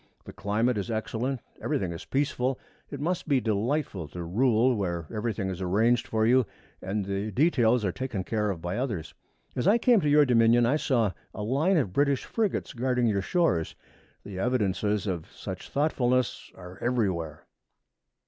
The climate is excellent. Everything is peaceful. It must be delightful to rule where everything is arranged for you and the details are taken care of by others. As I came to your dominion I saw a line of British frigates guarding your shores. The evidences of such thoughtfulness are everywhere.'